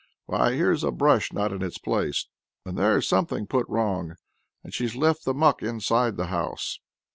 Why here's a brush not in its place, and there's something put wrong, and she's left the muck inside the house!"